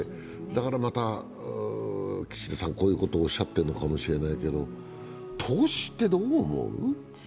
だからまた岸田さん、こういうことをおっしゃっているのかもしれないけれど投資ってどう思う？